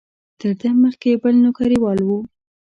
تر ده مخکې بل نوکریوال و.